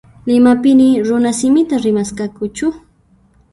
Limapiri runasimita rimasqakuchu?